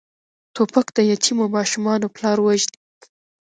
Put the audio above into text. توپک د یتیمو ماشومانو پلار وژني.